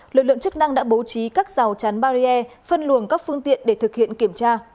lực lượng chức năng đã bố trí các rào chắn barrier phân luồng các phương tiện để thực hiện kiểm tra